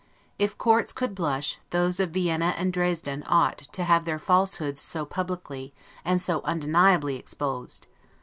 If courts could blush, those of Vienna and Dresden ought, to have their falsehoods so publicly, and so undeniably exposed.